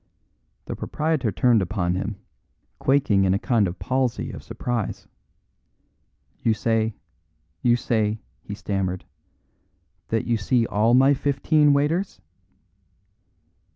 The proprietor turned upon him, quaking in a kind of palsy of surprise. "You say you say," he stammered, "that you see all my fifteen waiters?"